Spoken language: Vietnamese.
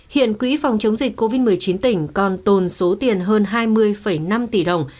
hiện quỹ phòng chống dịch covid một mươi chín tỉnh còn tồn số tiền hơn hai mươi năm tỷ đồng